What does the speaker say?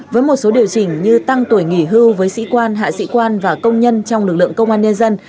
với một số điều chỉnh như tăng tuổi nghỉ hưu với sĩ quan hạ sĩ quan và công nhân trong lực lượng công an nhân dân